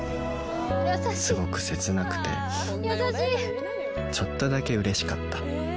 すごく切なくてちょっとだけうれしかった